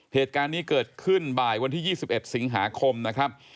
เหตุการณ์นี้เกิดขึ้นบ่ายวันที่๒๑สิงหาคมนะครับ